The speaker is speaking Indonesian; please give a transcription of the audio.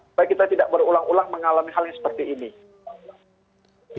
supaya kita tidak berulang ulang mengalami hal yang seperti ini